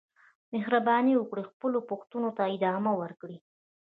مهرباني وکړئ خپلو پوښتنو ته ادامه ورکړئ.